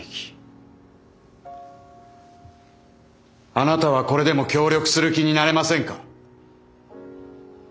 あなたはこれでも協力する気になれませんか？